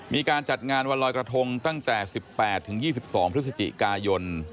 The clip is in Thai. มีการจัดงานวันลอยกระทงตั้งแต่๑๘๒๒พฤศจิกายน